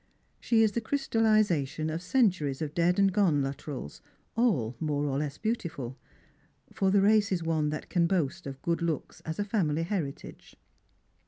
She is the crystallisation of centuries of dead* and ^^one Luttrells, all more or less beautiful; for the race ia one that can boast of good looks as a family heritage.